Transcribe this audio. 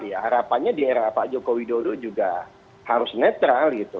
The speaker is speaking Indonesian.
ya harapannya di era pak jokowi dulu juga harus netral gitu